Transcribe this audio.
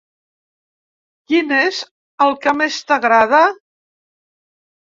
Quin és el que més t'agrada?